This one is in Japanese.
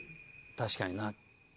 確かにな。